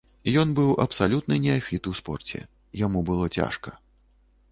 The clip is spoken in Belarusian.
Ён быў абсалютны неафіт у спорце, яму было цяжка.